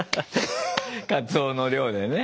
カツオの漁でね。